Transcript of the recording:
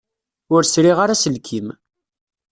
Ur sriɣ ara aselkim.